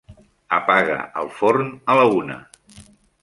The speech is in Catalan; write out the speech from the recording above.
Apaga el forn a la una.